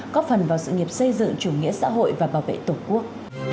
góp phần vào sự nghiệp xây dựng chủ nghĩa xã hội và bảo vệ tổ quốc